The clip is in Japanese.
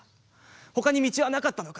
他に道はなかったのか。